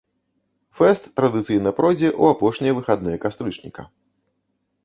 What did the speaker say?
Фэст традыцыйна пройдзе ў апошнія выхадныя кастрычніка.